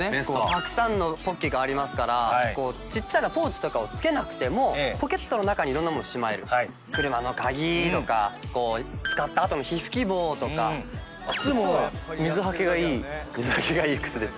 たくさんのポッケがありますからちっちゃなポーチとかをつけなくてもポケットの中にいろんなものしまえる車の鍵とか使ったあとの火吹き棒とか靴も水はけがいい靴です